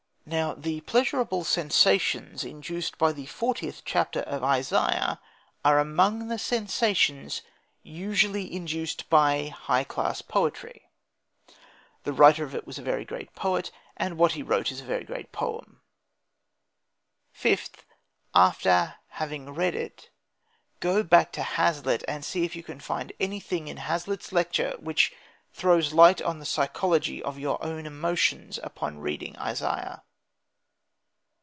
Now the pleasurable sensations induced by the fortieth chapter of Isaiah are among the sensations usually induced by high class poetry. The writer of it was a very great poet, and what he wrote is a very great poem. Fifth: After having read it, go back to Hazlitt, and see if you can find anything in Hazlitt's lecture which throws light on the psychology of your own emotions upon reading Isaiah.